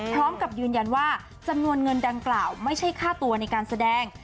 พร้อมกับยืนยันว่าจำนวนเงินดังกล่าวไม่ใช่ค่าตัวในการแสดง